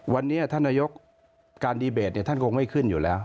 วันนี้ท่านนายกการดีเบตท่านคงไม่ขึ้นอยู่แล้ว